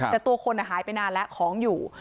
แต่ตัวคนหายไปนานแล้วของอยู่